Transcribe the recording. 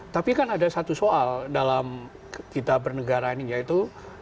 tapi kan ada satu soal dalam kita bernegara ini yaitu